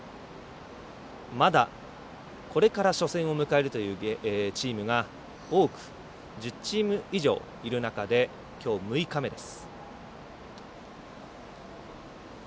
まだ、これから初戦を迎えるというチームが多く１０チーム以上いる中できょう６日目です。